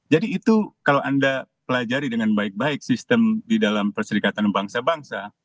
jadi itu kalau anda pelajari dengan baik baik sistem di dalam persedekatan bangsa bangsa